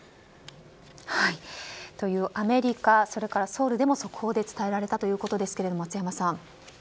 アメリカ、それからソウルでも速報で伝えられたということですが松山さん。